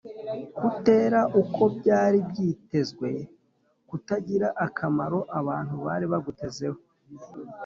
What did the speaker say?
kutera uko byari byitezwe; kutagira akamaro abantu bari bagutezeho